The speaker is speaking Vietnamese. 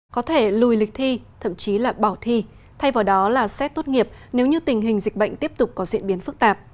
có thể lùi lịch thi thậm chí là bỏ thi thay vào đó là xét tốt nghiệp nếu như tình hình dịch bệnh tiếp tục có diễn biến phức tạp